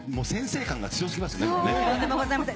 もう、とんでもございません。